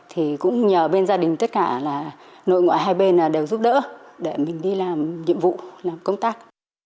thì cũng nhờ bên gia đình tất cả là nội ngoại hai bên đều giúp đỡ để mình đi làm nhiệm vụ làm công tác